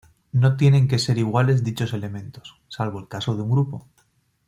No tienen que ser iguales dichos elementos, salvo el caso de un grupo.